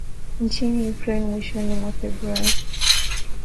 nchini Ukraine mwishoni mwa Februari